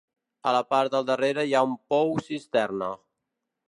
A la part del darrere hi ha un pou-cisterna.